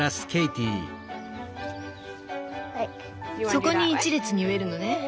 そこに一列に植えるのね。